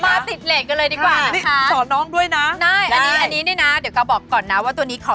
มาติดเลจกันเลยดีกว่าอะไรนะคะ